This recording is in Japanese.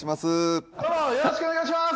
よろしくお願いします。